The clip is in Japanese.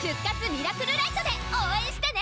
ミラクルライトで応援してね！